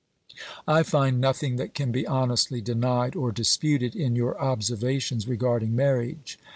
I find nothing that can be honestly denied or disputed in your observations regarding marriage.